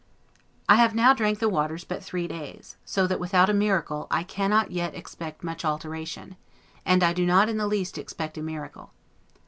I have now drank the waters but three days; so that, without a miracle, I cannot yet expect much alteration, and I do not in the least expect a miracle.